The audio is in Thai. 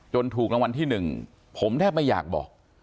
จนถูกละวันที่๑ผมแทบไม่อยากบอก